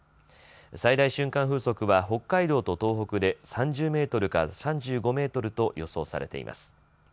最大瞬間風速は北海道と東北で３０メートルから３５メートルと予想されています。